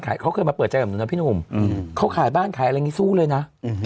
เขาเคยมาเปิดจังหวังนะพี่หนุ่มเขาขายบ้านขายอะไรสู้เลยนะ